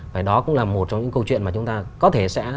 và đó cũng là một trong những câu chuyện mà chúng ta có thể sẽ